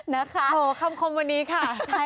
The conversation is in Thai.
นี่โอ้โฮคำคมวันนี้ค่ะ